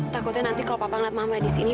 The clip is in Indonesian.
takutnya nanti kalau papa ngeliat mama disini